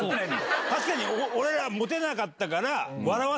確かに俺らモテなかったから。